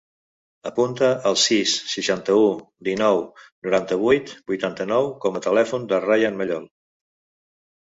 Apunta el sis, seixanta-u, dinou, noranta-vuit, vuitanta-nou com a telèfon del Rayan Mallol.